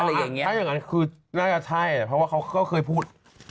ถ้าอย่างนั้นคือน่าจะใช่เพราะว่าเขาก็เคยพูด